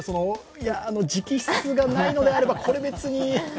直筆でないのであれば、これは別に。